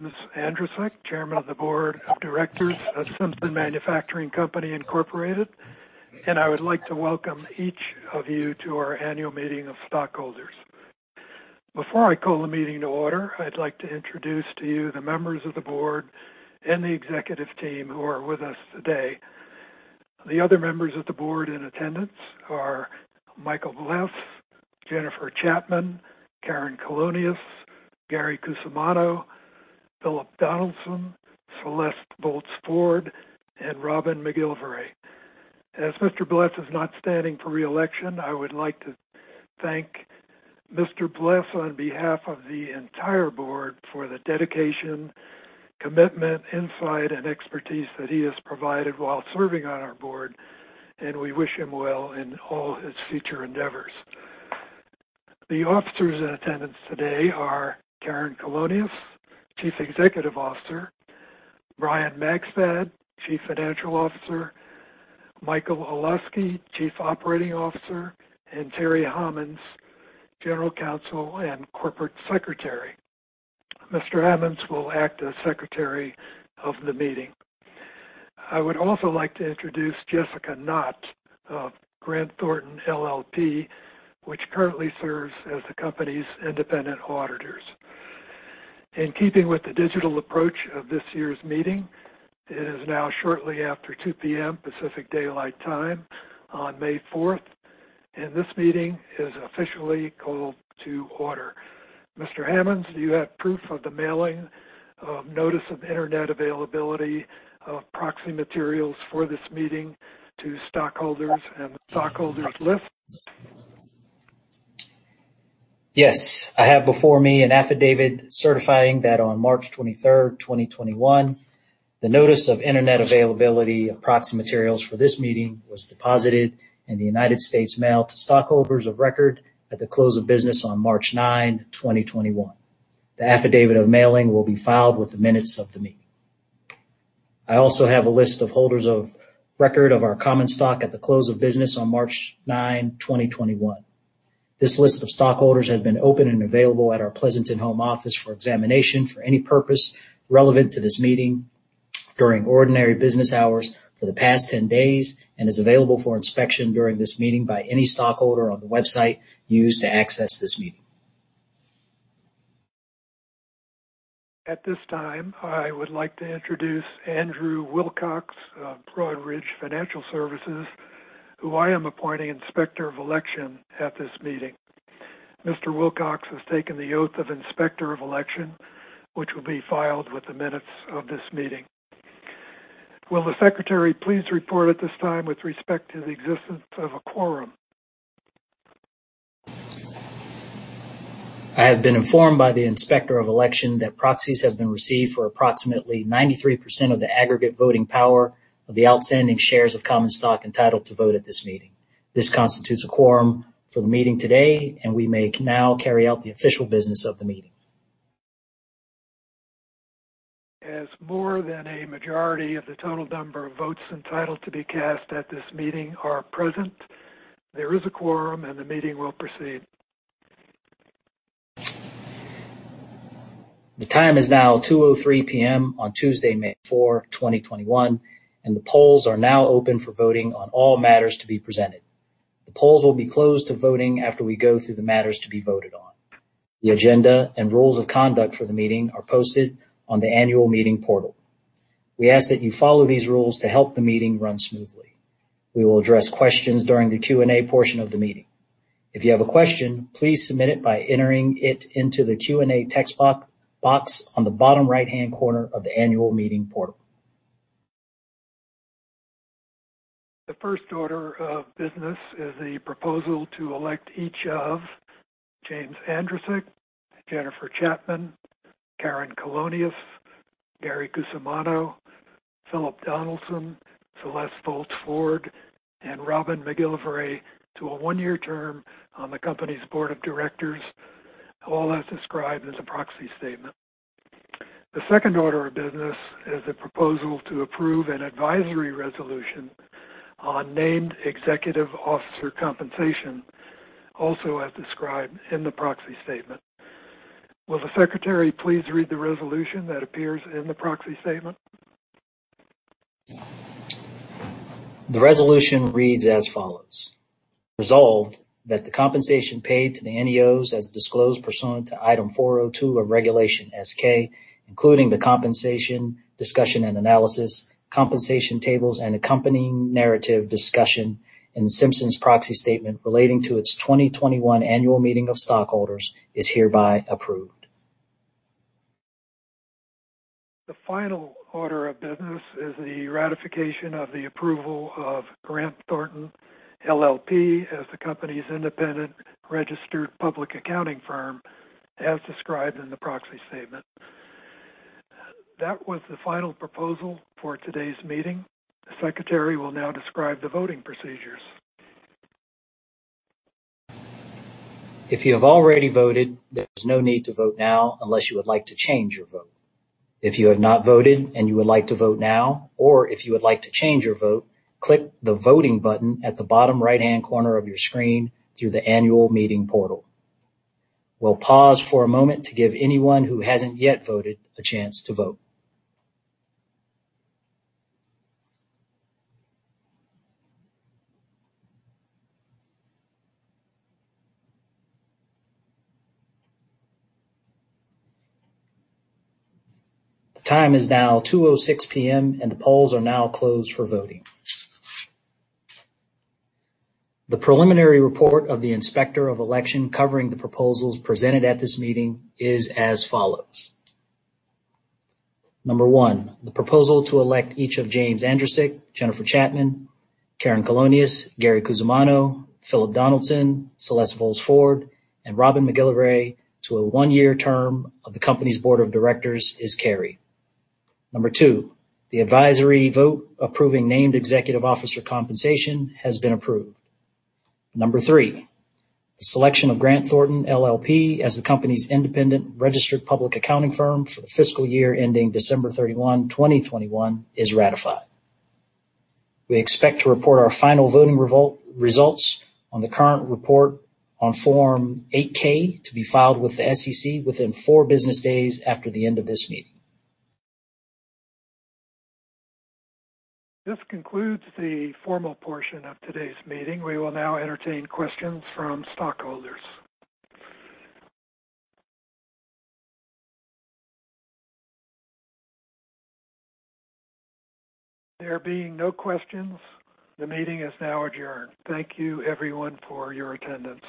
Mr. Andrasick, Chairman of the Board of Directors of Simpson Manufacturing Co., Inc., and I would like to welcome each of you to our annual meeting of stockholders. Before I call the meeting to order, I'd like to introduce to you the members of the board and the executive team who are with us today. The other members of the board in attendance are Michael E. Bless, Jennifer A. Chatman, Karen Colonias, Gary M. Cusumano, Philip E. Donaldson, Celeste Volz Ford, and Robin G. MacGillivray. As Mr. Bless is not standing for reelection, I would like to thank Mr. Bless on behalf of the entire board for the dedication, commitment, insight, and expertise that he has provided while serving on our board, and we wish him well in all his future endeavors. The officers in attendance today are Karen Colonias, Chief Executive Officer, Brian Magstadt, Chief Financial Officer, Michael Olosky, Chief Operating Officer, and Terry Hammonds, General Counsel and Corporate Secretary. Mr. Hammonds will act as Secretary of the meeting. I would also like to introduce Jessica Knott of Grant Thornton LLP, which currently serves as the company's independent auditors. In keeping with the digital approach of this year's meeting, it is now shortly after 2:00 P.M. Pacific Daylight Time on May 4th, and this meeting is officially called to order. Mr. Hammonds, do you have proof of the mailing of notice of internet availability of proxy materials for this meeting to stockholders and the stockholders' list? Yes. I have before me an affidavit certifying that on March 23rd, 2021, the notice of internet availability of proxy materials for this meeting was deposited in the United States Mail to stockholders of record at the close of business on March 9, 2021. The affidavit of mailing will be filed with the minutes of the meeting. I also have a list of holders of record of our common stock at the close of business on March 9, 2021. This list of stockholders has been open and available at our Pleasanton home office for examination for any purpose relevant to this meeting during ordinary business hours for the past 10 days and is available for inspection during this meeting by any stockholder on the website used to access this meeting. At this time, I would like to introduce Andrew Wilcox of Broadridge Financial Services, who I am appointing Inspector of Election at this meeting. Mr. Wilcox has taken the oath of Inspector of Election, which will be filed with the minutes of this meeting. Will the Secretary please report at this time with respect to the existence of a quorum? I have been informed by the Inspector of Election that proxies have been received for approximately 93% of the aggregate voting power of the outstanding shares of common stock entitled to vote at this meeting. This constitutes a quorum for the meeting today, and we may now carry out the official business of the meeting. As more than a majority of the total number of votes entitled to be cast at this meeting are present, there is a quorum, and the meeting will proceed. The time is now 2:03 P.M. on Tuesday, May 4, 2021, and the polls are now open for voting on all matters to be presented. The polls will be closed to voting after we go through the matters to be voted on. The agenda and rules of conduct for the meeting are posted on the annual meeting portal. We ask that you follow these rules to help the meeting run smoothly. We will address questions during the Q&A portion of the meeting. If you have a question, please submit it by entering it into the Q&A text box on the bottom right-hand corner of the annual meeting portal. The first order of business is the proposal to elect each of James Andrasick, Jennifer Chatman, Karen Colonias, Gary Cusumano, Philip Donaldson, Celeste Volz Ford, and Robin MacGillivray to a one-year term on the company's board of directors, all as described in the proxy statement. The second order of business is the proposal to approve an advisory resolution on named executive officer compensation, also as described in the proxy statement. Will the Secretary please read the resolution that appears in the proxy statement? The resolution reads as follows: Resolved that the compensation paid to the NEOs as disclosed pursuant to item 402 of Regulation S-K, including the compensation discussion and analysis, compensation tables, and accompanying narrative discussion in Simpson's proxy statement relating to its 2021 annual meeting of stockholders, is hereby approved. The final order of business is the ratification of the approval of Grant Thornton LLP as the company's independent registered public accounting firm, as described in the proxy statement. That was the final proposal for today's meeting. The Secretary will now describe the voting procedures. If you have already voted, there is no need to vote now unless you would like to change your vote. If you have not voted and you would like to vote now, or if you would like to change your vote, click the voting button at the bottom right-hand corner of your screen through the annual meeting portal. We'll pause for a moment to give anyone who hasn't yet voted a chance to vote. The time is now 2:06 P.M., and the polls are now closed for voting. The preliminary report of the Inspector of Election covering the proposals presented at this meeting is as follows: Number one, the proposal to elect each of James Andrasick, Jennifer Chatman, Karen Colonias, Gary Cusumano, Philip Donaldson, Celeste Volz Ford, and Robin MacGillivray to a one-year term of the company's board of directors is carried. Number two, the advisory vote approving Named Executive Officer compensation has been approved. Number three, the selection of Grant Thornton LLP as the company's independent registered public accounting firm for the fiscal year ending December 31, 2021, is ratified. We expect to report our final voting results on the current report on Form 8-K to be filed with the SEC within four business days after the end of this meeting. This concludes the formal portion of today's meeting. We will now entertain questions from stockholders. There being no questions, the meeting is now adjourned. Thank you, everyone, for your attendance.